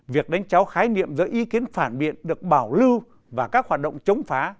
việc đánh cháu khái niệm do ý kiến phản biện được bảo lưu và các hoạt động chống phá